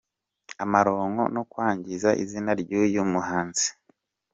amaronko no kwangiza izina ryuyu muhanzi.